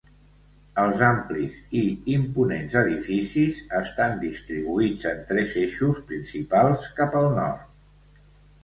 Els amplis i imponents edificis estan distribuïts en tres eixos principals cap al nord.